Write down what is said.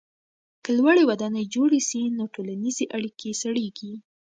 که لوړې ودانۍ جوړې سي نو ټولنیزې اړیکې سړېږي.